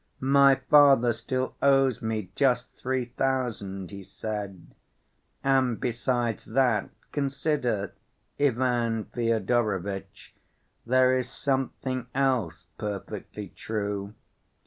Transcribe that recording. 'My father still owes me just three thousand,' he said. And besides that, consider, Ivan Fyodorovitch, there is something else perfectly true.